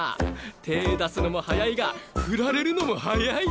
手ぇ出すのも早いがフラれるのも早い！